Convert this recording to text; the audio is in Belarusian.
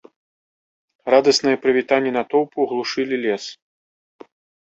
Радасныя прывітанні натоўпу глушылі лес.